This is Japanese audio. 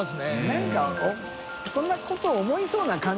覆鵑そんなこと思いそうな感じが。